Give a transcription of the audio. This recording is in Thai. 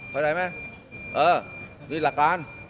เข้าใจไหมเออนี่หลักการ